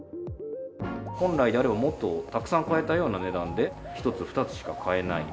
本来であれば、もっとたくさん買えたような値段で、１つ、２つしか買えない。